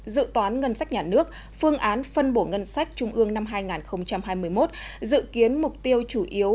dự toán ngân sách nhà nước phương án phân bổ ngân sách trung ương năm hai nghìn hai mươi một dự kiến mục tiêu chủ yếu